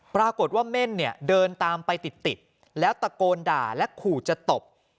ปรากฏว่าเม่นเนี่ยเดินตามไปติดแล้วตะโกนด่าและขู่จะตบ